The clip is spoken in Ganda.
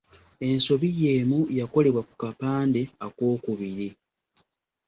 Ensobi y’emu yakolebwa ku kapande akookubiri